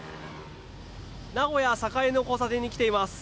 名古屋・栄の交差点に来ています。